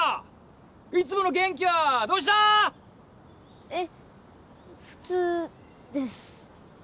いつもの元気はどうした⁉えっ普通です。